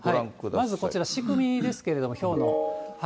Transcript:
まずこちら、仕組みですけど、ひょうの。